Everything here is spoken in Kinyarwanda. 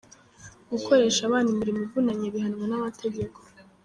Gukoresha abana imirimo ivunanye bihanwa n’amategeko.